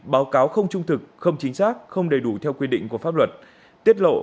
báo cáo không trung thực không chính xác không đầy đủ theo quy định của pháp luật tiết lộ